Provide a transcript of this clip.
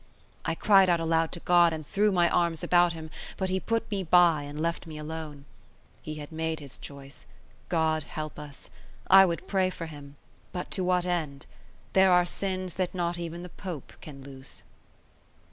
I cried out aloud to God, and threw my arms about him, but he put me by, and left me alone. He had made his choice; God help us. I would pray for him, but to what end? there are sins that not even the Pope can loose."